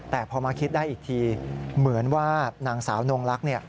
แต่พอมาคิดได้อีกทีเหมือนว่านางสาวนงลักษณ์